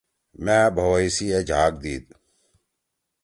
مأ بھوئی سی اے جھاگ دیِد۔